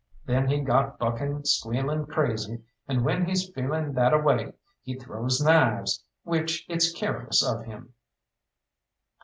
Then he got bucking squealing crazy, and when he's feeling that a way he throws knives, which it's careless of him."